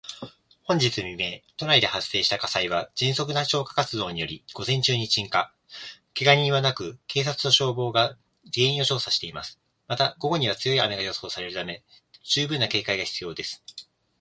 本日未明、都内で発生した火災は、迅速な消火活動により午前中に鎮火。けが人はなく、警察と消防が原因を調査しています。また、午後には強い雨が予想されるため、十分な警戒が必要です。